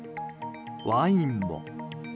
ワインも。